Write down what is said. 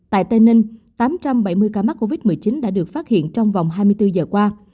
tại tây ninh tám trăm bảy mươi ca mắc covid một mươi chín đã được phát hiện trong vòng hai mươi bốn giờ qua